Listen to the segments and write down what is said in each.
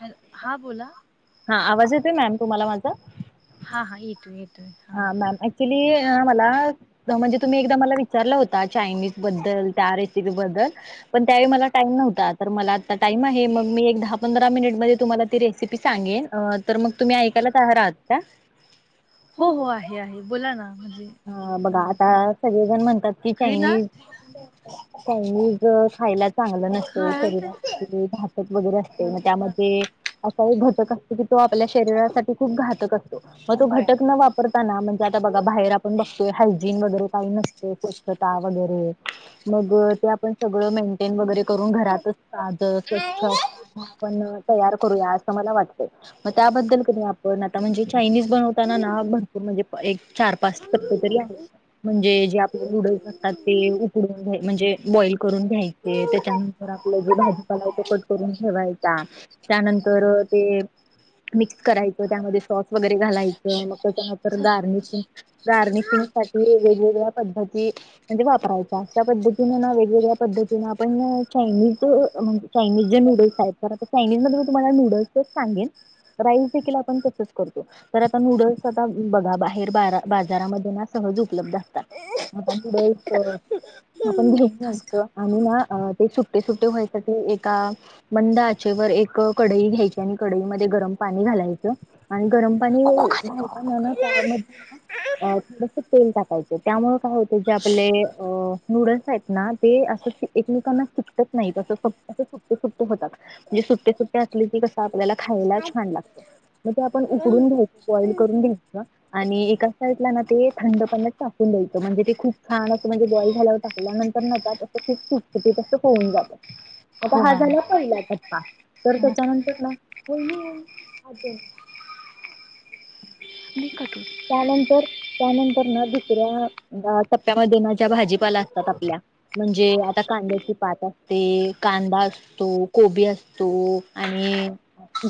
Hello हा बोला. हा आवाज येतोय मॅम तुम्हाला माझा? हा हा येतोय येत.. हा मॅम ऍक्च्युली मला म्हणजे तुम्ही एकदा मला वि.. चारला होता चायनीज बद्दल त्या रेसिपी बद्दल. पण त्यावेळी मला टाईम नव्हता तर मला आता टाईम आहे मग मी एक दहा.. -पंधरा मिनिट मध्ये तुम्हाला ती रेसिपी सांगेन तर मग तुम्ही ऐकायला तयार आहात का? हो हो आहे आहे बोला ना. हा बघा आता सगळेजण म्हणतात की चायनीज चायनीज खायला चांगलं नसत शरीरासाठी घातक वगैरे असते मग त्यामध्ये असा एक घटक असतो की तो आपल्या शरीरासाठी खूप घातक असतो. मग तो घटक वापरताना म्हणजे आता बघा बाहेर आप.. ते बघतोय हायजीन वगैरे काही नसतय, स्वच्छता वगैरे मग ते आपण सगळं मेन्टेन वगैरे करून घरातच सादं, स्वच्छ आपण तयार करूया असं मला वाटतंय. मग त्याबद्दल कधी आपण आता म्हणजे चायनीज बनवताना ना भरपूर म्हणजे एक चार-पाच तरी आहेत म्हणजे जे आपल्या नूडल्स असतात ते उकडून घ्याय.. म्हणजे बॉइल करून घ्यायचे त्याच्यानंतर आपलं जे भाजीपालायच कट करून ठेवायचा त्यानंतर ते मिक्स करायचं त्यामध्ये सॉस वगैरे घालायचं मग त्याच्यानंतर गार्नशिंग धार्मिकसाठीठी वेगवेगळ्या पद्धती म्हणजे वापरायच्या अशा पद्धतीनं ना वेगवेगळ्या पद्धतीन आपण चानीज म्हणजे चायनीज जे नूडल्स आहेत तर आता चायनीज म ला नूड तो आ नूड ब ब बाजारामध्ये ना सहज उपलब्ध असतात आता नूडल्स आपण घेऊन यायचं आणि ना ते सुट्टे सुट्टे व्हायसाठी एका मंद आचेवर एक कडई घ्यायची आणि कडईमध्ये गरम पाणी घालायचं आणि गरम पाणी घालताना ना त्यामध्ये अ थोडस तेल टाकायचं त्यामुळे काय होतं जे आपले अ नूडल्स आहेत ना ते असं एकमेकांना शिकत नाही तसं सुट्टे सुट्ट होतात म्हणजे सुट्टे सुट्टे असले की कस आपल्याला खायला छान लागत मग ते आपण उकडून घ्यायच बॉल ून घ्यायच आणि ना ते थंडपण टाकून देतं म्हणजे ते खूप छान अस म्हणजे बॉल झाल्यावर टाकल्यानंतर त्या खूपटुीत असं होऊन जातं आता हा झाला पहिला टप्पा तर त्याच्यानंतर हो त्यानंतर त्यानंतर ना दुसऱ्या टप्प्यामध्ये ना ज्या भाजीपाला असतात आपल्या म्हणजे आता कांद्याची पात असते कांदा असतो कोबी असतो आणि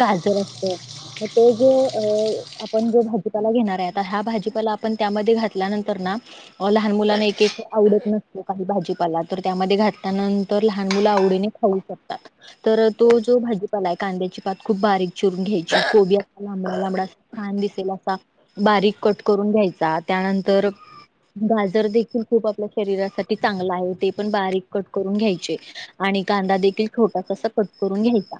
गाजर असतो म ते जे अ आपण जो भाजीपाला घेणार हा भाजीपाला आपण त्यामध्ये घातल्यानंतर ना लहान मुलांना एक एक आवडत नसतो काही भाजीपाला तर त्यामध्ये घातल्यानंतर लहान मुलं आवडीने खाऊ शकतात तर तो जो भाजीपाला आहे कांद्याची पात खूप बारीक चिरून घ्यायची कोबी असा लांबडा लांबडा छान दिसेल असा बारीक कट करून घ्यायचा त्यानंतर गाजर देखील खूप आपल्या शरीरासाठी चांगला आहे ते पण बारीक कट करून घ्यायचे आणि कांदा देखील छोटासा अस कट करून घ्यायचा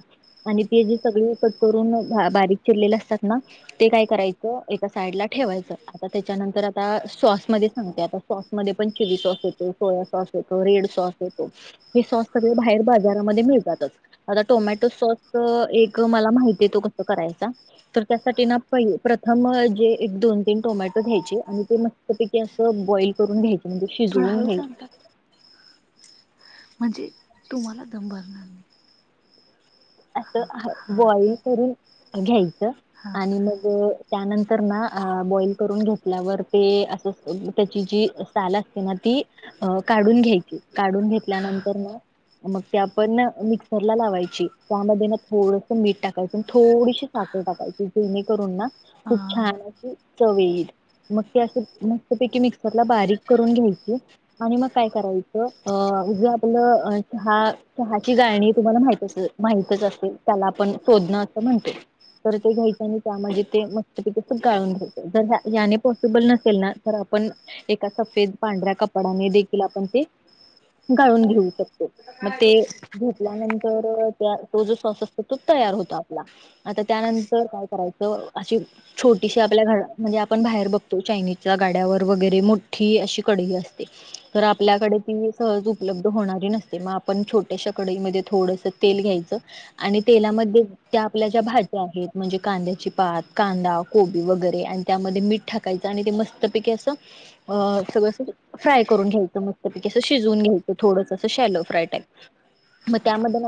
आणि ते जे सगळे कट करून बारीक चिरलेले असतात ना ते काय करायचं साडला ठेवायच आता त्याच्यानंतर आता सॉस म सांगतेता सॉसमध्ये पण चिली सॉस येतो सोया सॉस येतो रेड सॉस येतो हे सॉस सगळे बाहेर बाजारामध्ये मिळतातच आता टोमॅटो सॉस एक मला माहिती येतो कस करायचा तर त्यासाठी ना प्रथम म्हण एक दोन तीन टोमॅटो घ्यायचे आणि ते मस्तपैकी अस बॉइल करून घ्यायचे म्हणजे शिजवून घ [unintelligible] म्हणजे तुमला दम भरणार नाही अस बॉईल करून घ्यायचं आणि मग त्यानंतर ना बॉइल करून घेतल्यावर ते अस त्याची जी साल असते ना ती काढून घ्यायची काढून घेतल्यानंतर ना मग ते आपण मिक्सरला लावायची त्यामध्ये ना थोडस मीठ टाकायचं थोडीशी साखर टाकायची जेणेकरून ना खूप छानशी चवी मग ते असं मस्तपैकी मिक्सरला बारीक करून घ्यायची आणि मग काय करायचं अ जे आपलं चहा चहाची गाळणी तुम्हाला माहित असेल माहितच असेल त्याला आपण शोधणं असं म्हणतो तर ते घ्यायचं आणि त्यामध्ये ते मस्तपिक गाळून घ्यायचं जर याने पॉसिबल नसेल ना तर आपण एका सफेद पांढऱ्या कपडाने देखील आपण ते गाळून घेऊ शकतो मग ते घेतल्यानंतर त्या तो जो स्वासत तो तयार होत आपला आता त्यानंतर काय करायचं तर अशी छोटीशी आपल्या घड म्हणजे आपण बाहेर बघतो चायनीजच्या गाड्यावर वगैरे मोठी अशी कडई असते तर आपल्याकडे ती सहज उपलब्ध होणारी नसते मग आपण छोट्याशा कडईमध्येध्ये थोडस तेल घ्यायच आणि तेलामध्ये त्या आपल्या ज्या भाज्या आहेत म्हणजे कांद्याची पात कांदा कोबी वगैरे आणि त्यामध्ये मीठ टाकायचं आणि ते मस्तपैकी असं सगळं फ्राय करून घ्यायचं मस्तपैकी अस शिजून घ्यायचं थोड अस शेलो फ्राय टाईप मग त्यामध्ये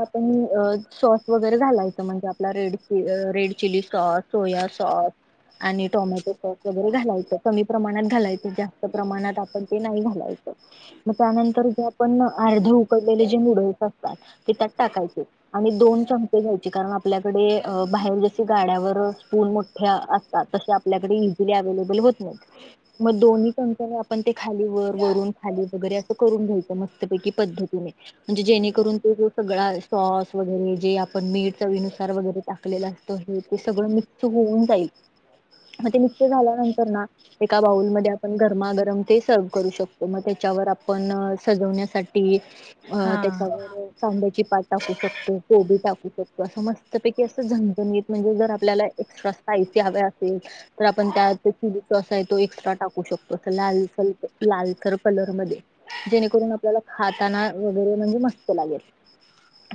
सॉस वगैरे घालायचं म्हणजे आपला red red chilli sauce soya sauce आणि टोमॅटो सॉस वगैरे घालायचं कमी प्रमाणात घालायचं जास्त प्रमाणात आपण ते नाही घालायचं मग त्यानंतर जे आपण अर्धे उकडलेले जे नूडल्स असतात ते त्यात टाकायचे आणि दोन चमचे घ्यायचे कारण आपल्याकडे बाहेर जशी गाड्यावर स्पल मोठ्या असतात तसे आपल्याकडे इझिली अवलेबल होत नाहीत मग दोन्ही चमकने आपण ते खाली वर वरून खाली वगैरे असं करून घ्यायच मस्तपैकी पद्धतीने म्हणजे जेणेकरून ते सगळा सॉस वगैरे जे आपण मीठ चवीनुसार वगैरे टाकलेला असतो हे ते सगळं मिक्स होऊन जाईल मग ते मिक्स झाल्यानंतर ना एका बाऊलमध्येध्ये आपण गरमागर सर्व करू शकतो मग त्याच्यावर आपण सजवण्यासाठी अ ते वर सांद्याची पा कत कोोी ताकूतत असं मस्तपैकी असं झणझणीत म्हणजे जर आपल्याला एक्स्ट्रा स्पायसी हव्या असेल तर आपण त्या चिली ज आहे तो एक्स्ट्रा टाकू शकतो अस लाल लालसर कलर मध्ये जेणेकरून आपल्याला खाताना वगैरे म्हणजे मस्त लागेल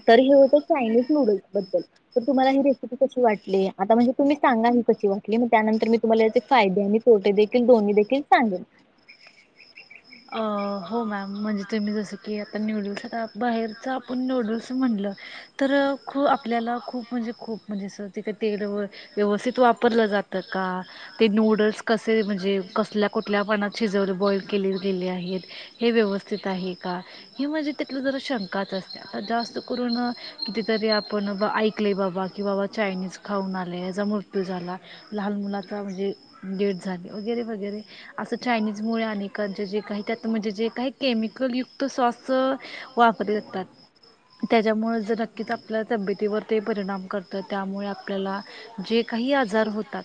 तर हे होतं चायनीज नूडल्स बद्दल तर तुम्हाला ही रेसिपी कशी वाटली आता म्हणजे तुम्ही सांगा ही कशी वाटली मग त्यानंतर मी तुम्हाला याचे फायदे आणि फोटे देखील दोन्ही देखील सांगेन हो मॅम म्हणजे तुम्ही जसं की आता न्यूडल्स आता बाहेरच आपण नूडल्स म्हणलं तर खू आपल्याला खूप म्हणजे खूप म्हणजे अस तिकडे ते व्यवस्थित वापरलं जातं का ते नूडल्स कसे म्हणजे कसल्या कुठल्यापणात शिजवले बॉइल केले गेले आहेत हे व्यवस्थित आहे का हे म्हणजे तिथलं जरा शंकाच असते आता जास्त करून कितीतरी आपण बा ऐकले बाबा की बाबा चायनीज खाऊन आले हचा मृत्यू झाला लहान मुलाचा म्हणजे डेथ झाली वगैरे वगैरे असं चायनीजमुळे अनेकांचे जे काही त्यात म्हणजे जे काही केमिकलयुक्त सॉस वापरले जातात त्याच्यामुळे, जर नक्कीच आपल्या तब्येतीवर ते परिणाम करतं त्यामुळे आपल्याला जे काही आजार होतात.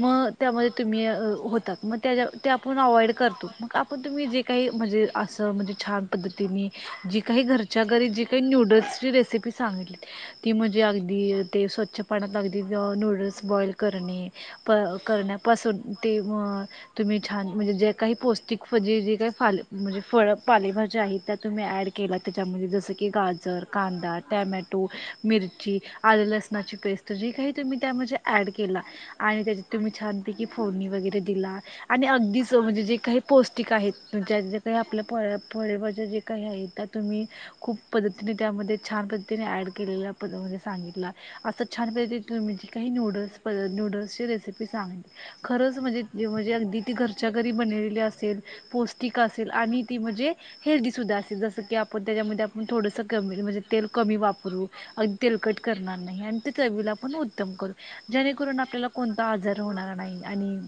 मग त्यामध्ये तुम्ही होतात मग त्याच्या ते आपण अवॉइड करतो मग आपण तुम्ही जे काही म्हणजे. असं म्हणजे छान पद्धतीने जी काही घरच्या घरी जी काही न्यूडल्सची रेसिपी सांगितली ती म्हणजे अगदी ते स्वच्छ पाण्यात अगदी नूडल्स बॉईल करणे प करण्यापासून ते मग तुम्ही छान म्हणजे जे काही पौष्टिक फजी जे काही फाल म्हणजे फळ पालेभाज्या आहेत त्या तुम्ही ॲड केल्या त्याच्यामध्ये जसं की गाजर कांदा टॅमॅटो मिरची आलं लसणाची पेस्ट जी काही तुम्ही त्यामध्येे ॲड केला आणि त्याच्यात तुम्ही छानपैकी फोडणी वगैरे दिला आणि अगदीच म्हणजे जे काही पौष्टिक आहेत ज्या. आपल्या फळ फळेभाज्या जे काही आहे त्या तुम्ही खूप पद्धतीने त्यामध्ये छान पद्धतीने ॲड केलेल्या प म सांगितला असं छान पद्धतीने तुम्ही जी काही न्यूडल्स प न्यूडल्सची रेसिपी सांगित- खरंच म्हणजे म्हणजे घरच्या घरी बनली असेल पौष्टिक असे- आणि ती म्हणजे हेल्दी सुुद्धा असेल जसं की आपण त्याच्यामध्ये आपण थोडंसं कमी म्हणजे तेल कमी वापरू अगदी तेलकट करणार नाही. चवीला पण उत्तम करू. जेणेकरून आपल्याला कोणता आजार होणार नाही आणि-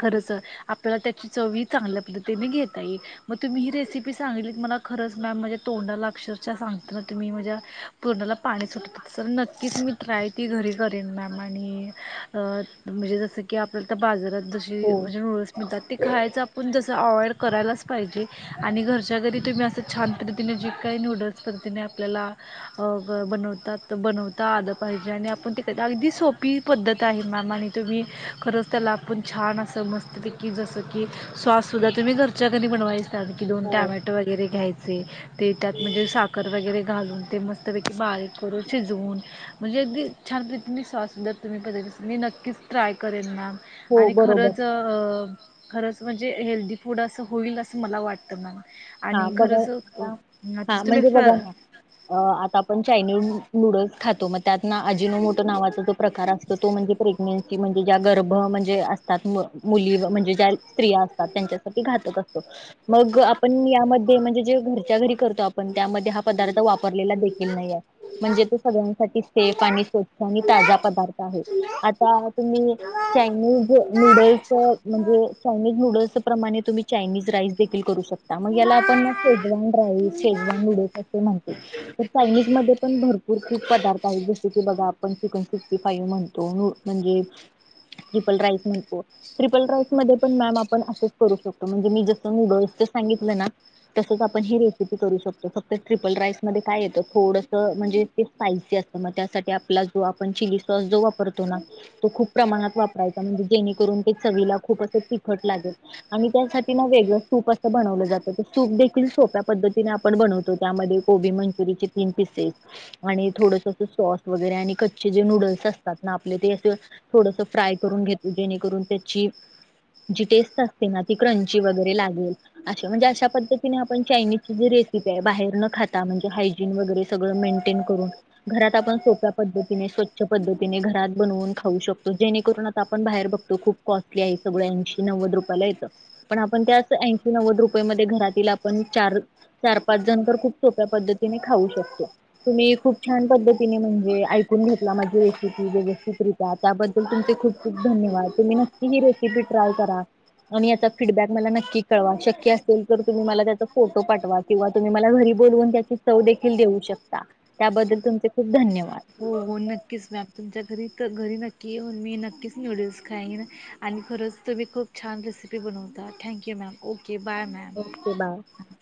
खरंच आप- त्याची चव ही चांगलंल्याली घेत ताई मग तुम्ही ही रेसिपी सांगितली मला खरंच मॅम माझ्या तोंडाला अक्षरशः सांगताना तुम्ही माझ्या तोंडाला पाणी सुटवत तस नक्कीच मी ट्राय ती घरी करेन मॅम आणि म्हणजे, जसं की आपल्याला तर बाजारात. जशी म्हणजे नूडल्स मिळतात ती खायचं आपण जस- [unintelligible] करायलाच पाहिजे आणि घरच्या घरी तुम्ही असं छान पद्धतीने जे काही नूडल्स पद्धतीने आपल्याला बनवतात बनवता आलं पाहिजे आणि आपण ते अगदी सोपी पद्धत आहे मॅम आणि तुम्ही खरंच त्याला आपण छान असं मस्तपैकी जसं की सॉससुद्धा तुम्ही घर च्या घरी बनवायच. त्यासाठी दोन टॅमॅटो वगैरे घ्याय - - ते ते त्यात म्हणजे साखर वगैरे घालून. ते मस्तपैकी बारीक करून शिजवून म्हणजे अगदी छान पद्धतीने सॉस तुम्ही प मी नक्कीच ट्राय करेन मॅम. आणि खरंच अ- - खरंच म्हणजे हेल्दी फूड असं- - होईल असं मला वाटतं मॅम. हा बघा आ हा म्हणजे बघा ना आता आपण चायनीज नूडल्स. खातो मग त्यातन आजिनो मोठो नावाचा जो प्रकार असतो तो म्हणजे प्रेग्नेन्सी म्हणजे ज्या गर्भ म्हणजे असतात मुली म्हणजे ज्या स्त्रिया असतात त्यांच्यासाठी घातक अस- तो. मग आ - - पण यामध्ये म्हणजे जे घरच्या घरी करतो आप- - त्यामध्ये हा पदार्थ वापरलेला देखील नाही म्हणजे तो सगळ्यांसाठीच - - ते पाणी [unintelligible] आणि ताजा पदार्थ आहे. आता तुम्ही चायनीज नूडल्स म्हणजे चायनीज नूडल्स प्रमाणे तुम्ही चायनीज राईस देखील करू शकता. याला आपण शेजवान राईस शेजवान नूडल्स असे म्हणतो. तर चायनीज मध्ये पण भरपूर खूप पदार्थ आहेत जस की बघा आप चिकन सिक्टी फाय म्हणतो म्हणजे ट्रिपल राइस म्हणतो ट्रिपल राइस मध्ये पण मॅम आपण असच करू शकतो म्हणजे मी जस नूडल्सच - सांगितलं ना तस आपण ही रेसिपी करू शकतो फक्त ट्रिपल राईस मध्ये काय येतं थोडस म्हणजे ते स्पायसी असत मग त्यासाठी आपला जो आपण चिली सॉस जो वापरतो ना सांगितल ना तो खूप प्रमाणात वापरायचा म्हणजे जेणेकरून चवीला खूप अस तिखट लागेल आणि त्यासाठी ना वेगळ सूप- - बनवलं जात सूप देखील सोप्या पद्धतीने आपण बनवतो त्यामध्ये कोबी मंचुरियचे तीन पिसेस आणि थोडस सॉस वगैरे आणि कच्चे जे नूडल्स असतात ना आपले ते असे थोडस फ्राय करून घेतो जेणेकरून त्याची जी टेस्ट असते ना ती क्रंची वगैरे लागेल. अच्छा म्हणजे अशा पद्धतीने आपण चायनीजची जी रेसिपी आहे बाहेर न खाता म्हणजे हायजीन वगैरे सगळं मेंटेन करून घरात आपण सोप्या पद्धतीने स्वच्छ पद्धतीने घरात बनवून खाऊ शकतो जेणेकरून आता आपण बाहेर बघतो खूप कॉस्टली आहे सगळं ऐशी नव्वद रुपयाला येत. पण आपण त्याचं ऐ - - शी नव्वद रुपये मध्ये घरातील आपण चार चार पाच जण तर खूप सोप्या पद्धतीने खाऊ शकतो. तुम्ही खूप छान पद्धतीने म्हण हे ऐकुन घेतला माझी रेसिपी व्यवस्थितरित्या त्याबद्दल तुमचे खूप खूप धन्यवाद तुम्ही नक्की ही रेसिपी ट्राय करा आणि याचा फीडबॅक मला नक्की कळवा शक्य असेल तर तुम्ही मला त्याचा फोटो पाठवा किंवा तुम्ही मला घरी बोलवून त्याची चव देखील देऊ शकता त्याबद्दल तुमचे खूप धन्यवाद. हो. नक्कीच मॅम तमच्या घरी त घरी न किहोन मी न किचं नूडल्स खाईल. आणि खरंच तुम्ही खू छान रेसिपी बनवता thank you ma'am okay. Okay bye ma'am.